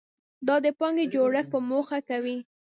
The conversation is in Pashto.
دا د پانګې جوړښت په موخه کوي.